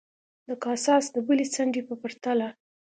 د کاساس د بلې څنډې په پرتله.